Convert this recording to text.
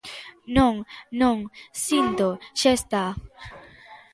Non, non, síntoo, ¡xa está!